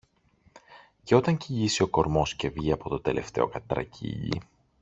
Και όταν κυλήσει ο κορμός και βγει από το τελευταίο κατρακύλι